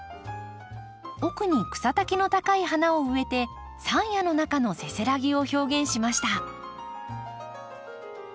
奥に草丈の高い花を植えて山野の中のせせらぎを表現しました。